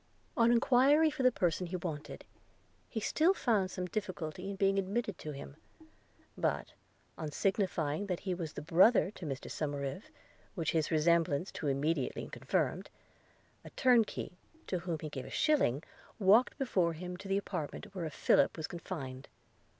On enquiry for the person he wanted, he still found some difficulty in being admitted to him: but, on signifying that he was brother to Mr Somerive, which his resemblance to immediately confirmed, a turnkey, to whom he gave a shilling, walked before him to the apartment where Philip was confined.